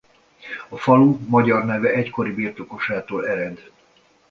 A falu magyar neve egykori birtokosától ered.